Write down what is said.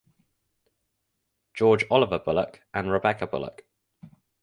George Oliver Bullock and Rebecca Bullock.